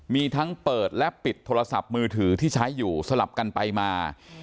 มีทั้งเปิดและปิดโทรศัพท์มือถือที่ใช้อยู่สลับกันไปมา